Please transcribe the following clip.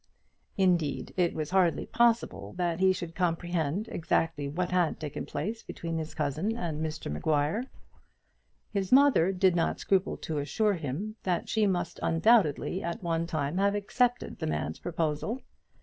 Indeed it was hardly possible that he should comprehend exactly what had taken place between his cousin and Mr Maguire. His mother did not scruple to assure him that she must undoubtedly at one time have accepted the man's proposal.